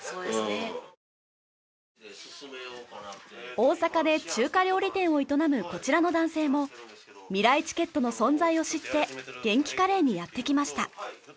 大阪で中華料理店を営むこちらの男性もみらいチケットの存在を知ってげんきカレーにやって来ました。